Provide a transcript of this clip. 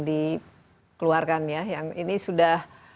dikeluarkan yang ini sudah